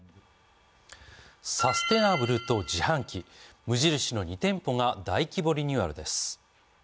サステナブルと自販機、無印の２店舗が大規模リニューアルです。